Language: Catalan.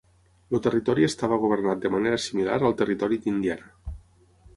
El territori estava governat de manera similar al territori d'Indiana.